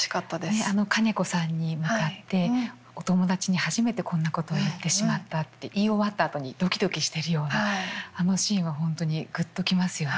ねっあの兼子さんに向かってお友達に初めてこんなことを言ってしまったって言い終わったあとにドキドキしているようなあのシーンはほんとにぐっと来ますよね。